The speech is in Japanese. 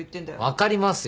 分かりますよ。